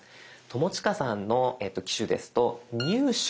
友近さんの機種ですと「入手」。